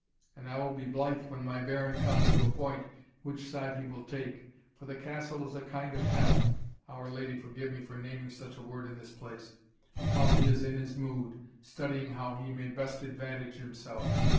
And I will be blithe when my Baron comes to a point which side he will take, for the castle is a kind of hell, (Our Lady forgive me for naming such a word in this place!) while he is in his mood, studying how he may best advantage himself.